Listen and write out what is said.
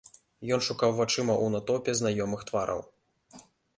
Ён шукаў вачыма ў натоўпе знаёмых твараў.